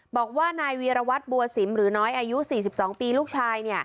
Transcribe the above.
บอกว่านายวีรวัตรบัวสิมหรือน้อยอายุ๔๒ปีลูกชาย